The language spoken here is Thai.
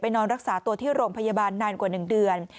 นอนรักษาตัวที่โรงพยาบาลนานกว่า๑เดือน